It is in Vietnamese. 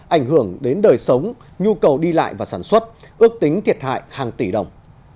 ảnh hưởng đến đời sống nhu cầu đi lại và sản xuất ước tính thiệt hại hàng tỷ đồng